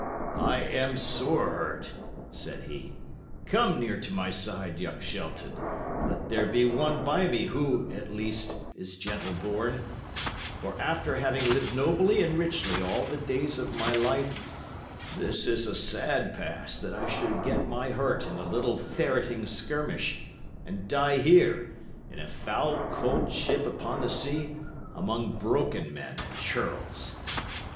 "I am sore hurt," said he. "Come near to my side, young Shelton; let there be one by me who, at least, is gentle born; for after having lived nobly and richly all the days of my life, this is a sad pass that I should get my hurt in a little ferreting skirmish, and die here, in a foul, cold ship upon the sea, among broken men and churls."